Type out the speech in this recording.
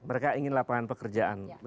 mereka ingin lapangan pekerjaan